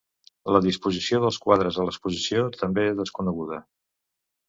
La disposició dels quadres a l'exposició també és desconeguda.